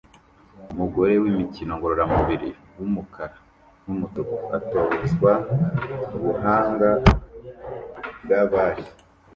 Umugore wimikino ngororamubiri wumukara numutuku atozwa ubuhanga bwabari